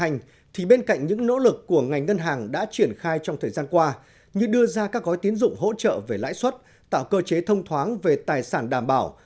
hỗ trợ về lãi suất tạo cơ chế thông thoáng về tài sản đảm bảo